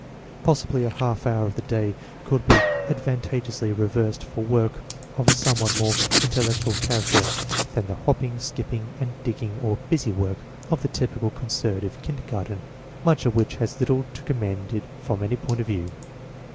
Possibly a half hour of the day could be advanta geously reserved for work of a somewhat more intel lectual character than the hopping, skipping, sand digging or "busy work" of the typical conservative kindergarten, much of which has little to commend it from any point of view.